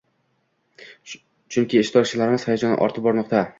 chunki ishtirokchilarimiz hayajoni ortib bormoqda.